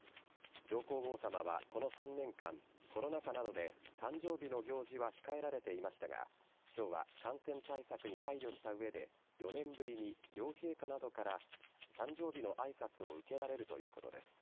上皇后さまは、この３年間コロナ禍などで誕生日の行事は控えられていましたが今日は感染対策に配慮した上で４年ぶりに両陛下などから誕生日の挨拶を受けられるということです。